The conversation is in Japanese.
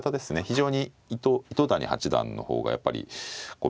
非常に糸谷八段の方がやっぱりビシビシッと